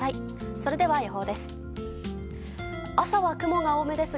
それでは予報です。